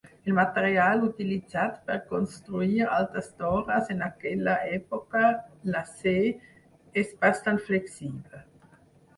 El material utilitzat per construir altes torres en aquella època, l'acer, és bastant flexible.